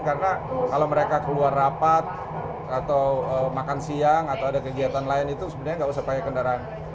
karena kalau mereka keluar rapat atau makan siang atau ada kegiatan lain itu sebenarnya nggak usah pakai kendaraan